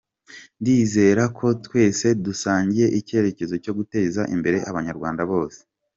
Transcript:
Ndizera ko twese dusangiye icyerekezo cyo guteza imbere Abanyarwanda bose.